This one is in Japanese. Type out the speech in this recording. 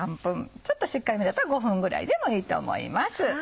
ちょっとしっかりめだと５分ぐらいでもいいと思います。